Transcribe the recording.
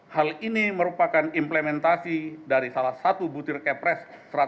hal ini merupakan implementasi dari salah satu butir kepres satu ratus delapan puluh